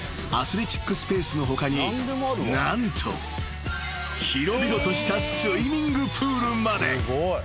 アスレチックスペースの他に何と広々としたスイミングプールまで］